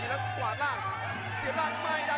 ฉลามขาวต้องทดตาโรครับ